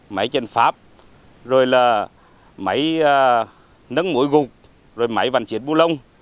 máy văn chỉnh bù lông